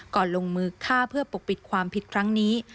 ลงมือฆ่าเพื่อปกปิดความผิดครั้งนี้